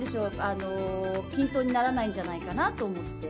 均等にならないんじゃないかなと思って。